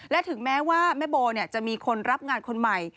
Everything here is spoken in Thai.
และถึงแม้ว่าแม่โบจะมีคนรับงานคนใหม่